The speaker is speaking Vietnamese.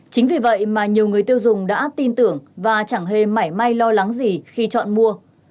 chính vì vậy mà nhiều người tiêu dùng đã tin tưởng và chẳng hề may lo lắng gì khi chọn mua